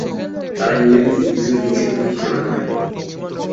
তারা ইংল্যান্ডকে বিজয়ী হিসেবে ঘোষণা করেন।